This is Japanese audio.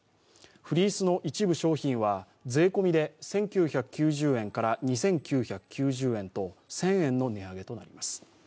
フリースの一部商品は税込みで１９９０円から２９９０円と１０００円の値上げとなります。